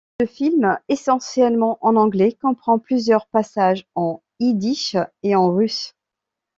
Le film, essentiellement en anglais, comprend plusieurs passages en yiddish et en russe.